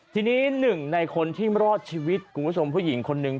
ทีนี้หนึ่งในคนที่รอดชีวิตคุณผู้ชมผู้หญิงคนนึง